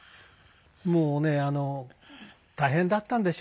もうね大変だったんでしょうね。